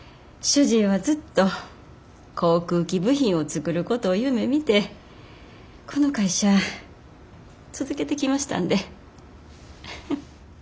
主人はずっと航空機部品を作ることを夢みてこの会社続けてきましたんで。